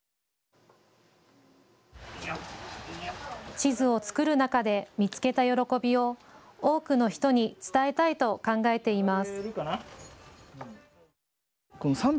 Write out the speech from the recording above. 地図を作る中で見つけた喜びを多くの人に伝えたいと考えています。